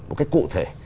một cách cụ thể